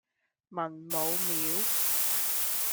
文武廟